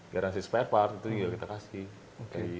garansi spare part itu juga kita kasih